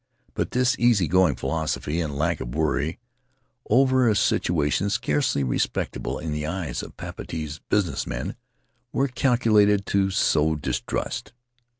But this easy going philosophy and lack of worry over a situation scarcely respectable in the eyes of Papeete's business men were calculated to sow distrust.